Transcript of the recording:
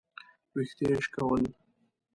ويښته يې شکول.